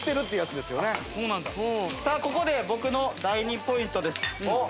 さあここで僕の第２ポイントです。